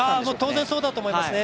当然、そうだと思いますね。